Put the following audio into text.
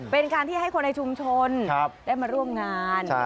เป็นการที่ให้คนในชุมชนได้มาร่วมงาน